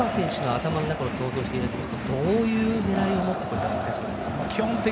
井口さん、岡選手の頭の中を想像していただくとどういう狙いを持って打席に立ちますか。